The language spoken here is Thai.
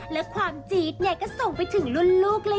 และความจีทก็ส่งไปถึงรุ่นลูกเลยจ้า